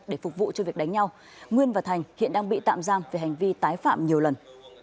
để phục vụ cho việc đánh nhau nguyên và thành hiện đang bị tạm giam về hành vi tái phạm nhiều lần